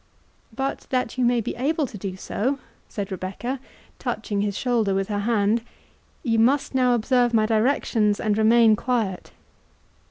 "But that you may be able to do so," said Rebecca touching his shoulder with her hand, "you must now observe my directions, and remain quiet."